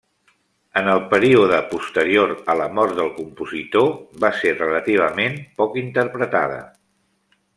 En el període posterior a la mort del compositor, va ser relativament poc interpretada.